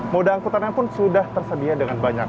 moda angkutannya pun sudah tersedia dengan banyak